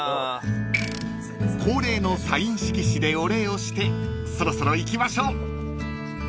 ［恒例のサイン色紙でお礼をしてそろそろ行きましょう］